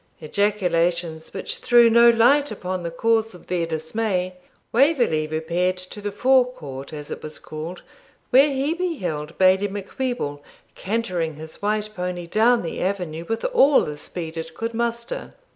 ejaculations which threw no light upon the cause of their dismay, Waverley repaired to the fore court, as it was called, where he beheld Bailie Macwheeble cantering his white pony down the avenue with all the speed it could muster.